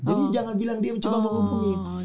jadi jangan bilang dia coba menghubungin